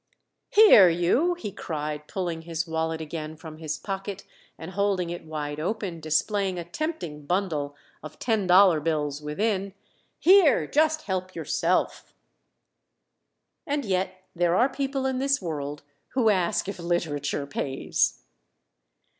"Here, you!" he cried, pulling his wallet again from his pocket, and holding it wide open, displaying a tempting bundle of ten dollar bills within. "Here just help yourself!" And yet there are people in this world who ask if "literature" pays!